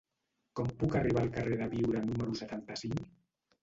Com puc arribar al carrer de Biure número setanta-cinc?